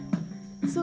kami mencari ikan